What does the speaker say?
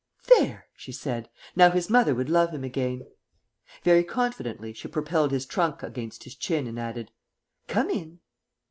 "There!" she said. "Now his mother would love him again." Very confidently she propelled his trunk against his chin and added, "Come in."